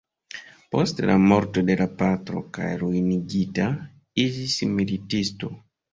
Post la morto de la patro kaj ruinigita, iĝis militisto.